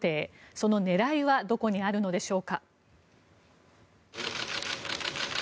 その狙いはどこにあるのでしょうか。